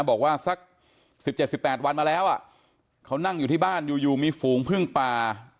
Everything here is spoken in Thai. บอกว่าสัก๑๗๑๘วันมาแล้วเขานั่งอยู่ที่บ้านอยู่มีฝูงพึ่งป่า